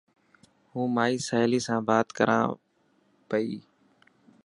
هون مائي سهيلي سان بات ڪران پئي.